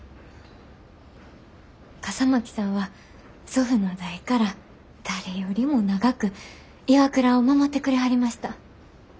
笠巻さんは祖父の代から誰よりも長くＩＷＡＫＵＲＡを守ってくれはりました。